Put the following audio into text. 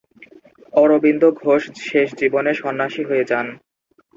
অরবিন্দ ঘোষ শেষ জীবনে সন্ন্যাসী হয়ে যান।